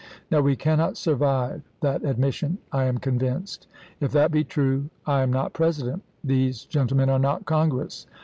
Now we cannot survive that admission, I am convinced. If that be true, I am not President ; these gentle men are not Congress.